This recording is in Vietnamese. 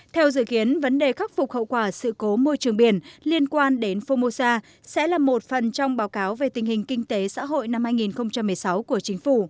theo dự kiến vấn đề khắc phục hậu quả sự cố môi trường biển liên quan đến phomosa sẽ là một phần trong báo cáo về tình hình kỳ